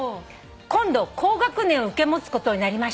「今度高学年を受け持つことになりました」